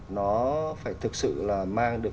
nó phải thực sự là mang được